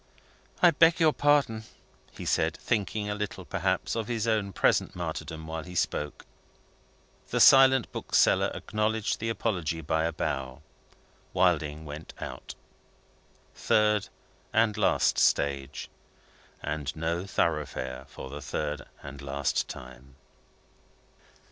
"I beg your pardon," he said thinking a little, perhaps, of his own present martyrdom while he spoke. The silent bookseller acknowledged the apology by a bow. Wilding went out. Third and last stage, and No Thoroughfare for the third and last time.